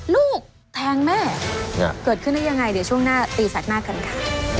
ลูกแทงแม่เกิดขึ้นได้ยังไงเดี๋ยวช่วงหน้าตีแสกหน้ากันค่ะ